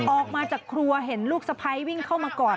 ออกมาจากครัวเห็นลูกสะพ้ายวิ่งเข้ามากอด